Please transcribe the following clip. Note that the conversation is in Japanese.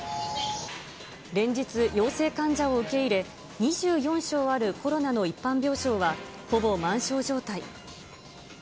連日、陽性患者を受け入れ、２４床あるコロナの一般病床は、ほぼ満床状態。